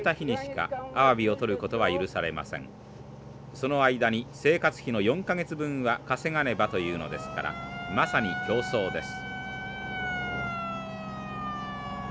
その間に生活費の４か月分は稼がねばというのですからまさに競争です。